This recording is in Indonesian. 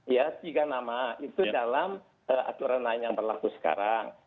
ya tiga nama itu dalam aturan lain yang berlaku sekarang